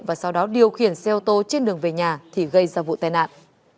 và sau đó điều khiển xe ô tô trên đường về nhà thì gây ra vụ tai nạn